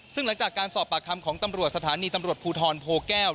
ซึ่งหลังจากการสอบปากคำของตำรวจสถานีตำรวจภูทรโพแก้ว